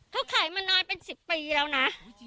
เขาขายมานานเป็น๑๐ปีแล้วนะ